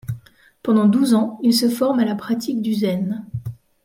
Pendant douze ans, il se forme à la pratique du zen.